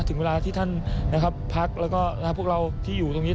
ถึงเวลาที่ท่านนะครับพักแล้วก็พวกเราที่อยู่ตรงนี้